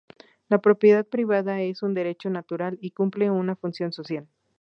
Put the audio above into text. La propiedad privada es un derecho natural y cumple una función social.